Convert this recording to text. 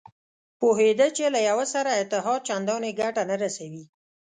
پوهېده چې له یوه سره اتحاد چندانې ګټه نه رسوي.